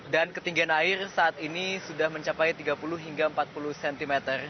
ketinggian air saat ini sudah mencapai tiga puluh hingga empat puluh cm